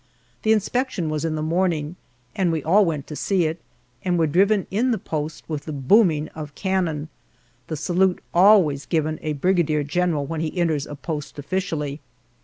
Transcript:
The inspection was in the morning, and we all went to see it, and were driven in the post with the booming of cannon the salute always given a brigadier general when he enters a post officially.